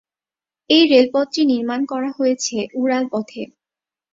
এই রেলপথটি নির্মাণ করা হয়েছে উড়াল পথে।